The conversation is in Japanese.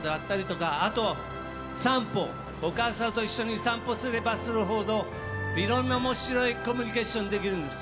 あとは散歩、お母さんと一緒に散歩すればするほどいろんな、面白いコミュニケーションができるんです。